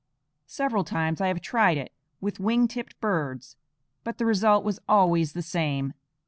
Several times I have tried it with wing tipped birds; but the result was always the same.